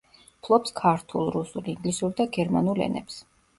ფლობს ქართულ, რუსულ, ინგლისურ და გერმანულ ენებს.